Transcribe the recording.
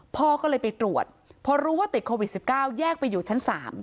พ่อก็เลยไปตรวจพอรู้ว่าติดโควิด๑๙แยกไปอยู่ชั้น๓